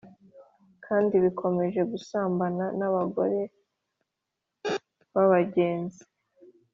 c kandi bakomeje gusambana n abagore ba bagenzi